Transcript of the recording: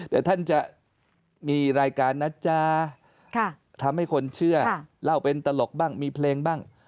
แต่ท่านจะมีรายการนะจ๊ะทำให้คนเชื่อเล่าเป็นตลกบ้างมีเพลงบ้าง